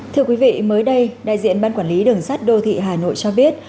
thưa quý vị mới đây đại diện ban quản lý đường sắt đô thị hà nội cho biết